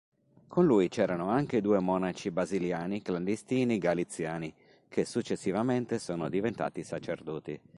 Con lui c'erano anche due monaci basiliani clandestini galiziani, che successivamente sono diventati sacerdoti.